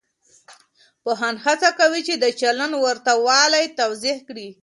پوهان هڅه کوي چې د چلند ورته والی توضیح کړي.